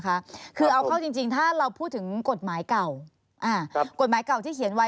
คะคือเอาเข้าจริงถ้าเราพูดถึงกฎหมายเก่า